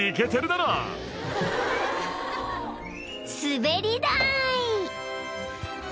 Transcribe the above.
［滑り台！］